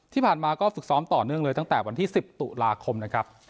ที่ผ่านมาก็ฝึกซ้อมต่อเนื่องเลยตั้งแต่วันที่๑๐ตุลาคมนะครับ